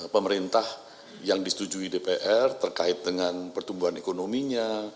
pemerintah yang disetujui dpr terkait dengan pertumbuhan ekonominya